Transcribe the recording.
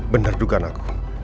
bener duga anakku